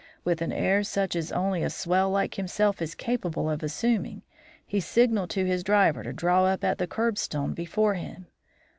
With an air such as only a swell like himself is capable of assuming, he signalled to his driver to draw up at the curbstone before him.